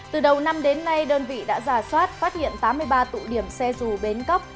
từ đầu năm đến nay đơn vị đã giả soát phát hiện tám mươi ba tụ điểm xe dù bến cóc